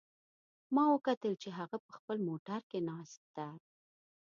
ما وکتل چې هغه په خپل موټر کې ناست ده